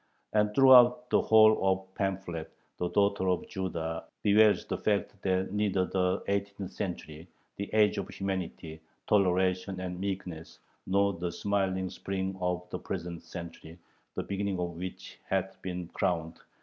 And throughout the whole of the pamphlet the "Daughter of Judah" bewails the fact that neither the eighteenth century, "the age of humanity, toleration, and meekness," nor "the smiling spring of the present century, the beginning of which hath been crowned